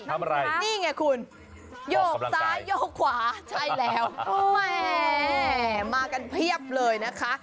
ทำอะไรนี่ไงคุณโยกซ้ายโยกขวาใช่แล้วแหมมากันเพียบเลยนะคะ